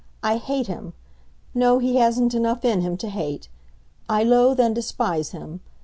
I hate him. No, he hasn't enough in him to hate. I loathe and despise him.